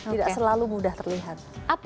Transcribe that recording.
tidak selalu mudah terlihat